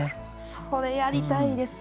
それやりたいです。